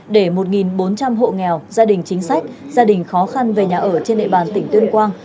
để một bốn trăm linh hộ nghèo gia đình chính sách gia đình khó khăn về nhà ở trên địa bàn tỉnh tuyên quang